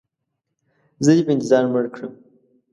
زه دې په انتظار مړ کړم.